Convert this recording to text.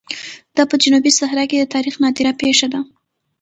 دا په جنوبي صحرا کې د تاریخ نادره پېښه ده.